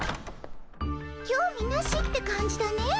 興味なしって感じだね。